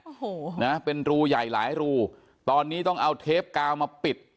โอ้โหนะเป็นรูใหญ่หลายรูตอนนี้ต้องเอาเทปกาวมาปิด